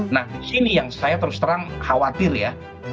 nah di sini yang saya terus terang khawatir ya